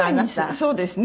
そうですね。